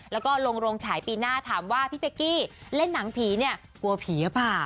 แล้วก็ลงโรงฉายปีหน้าถามว่าพี่เป๊กกี้เล่นหนังผีเนี่ยกลัวผีหรือเปล่า